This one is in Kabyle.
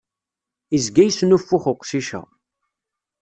Izga yesnuffux uqcic-a.